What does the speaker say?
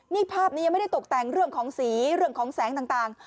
นี่ภาพนี้ยังไม่ได้ตกแต่งเรื่องของสีเรื่องของแสงต่าง